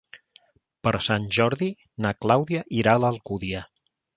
Per Sant Jordi na Clàudia irà a l'Alcúdia.